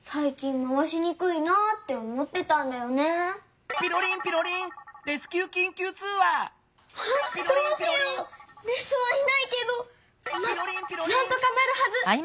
まあなんとかなるはず。